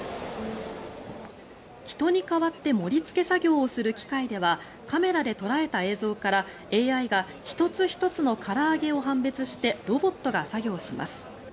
人に代わって盛りつけ作業をする機械ではカメラで捉えた映像から、ＡＩが１つ１つのから揚げを判別してロボットが作業します。